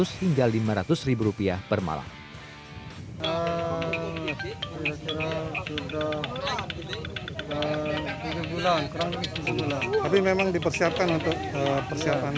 sementara sekitar rp lima ratus